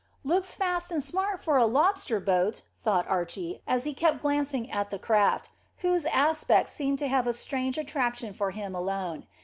"Looks fast and smart for a lobster boat," thought Archy, as he kept glancing at the craft, whose aspect seemed to have a strange attraction for him alone.